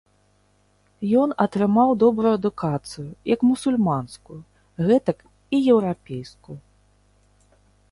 Ён атрымаў добрую адукацыю, як мусульманскую, гэтак і еўрапейскую.